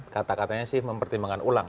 kata katanya sih mempertimbangkan ulang